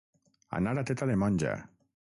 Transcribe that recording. Anar a teta de monja.